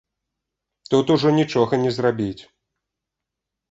Тут ужо нічога не зрабіць.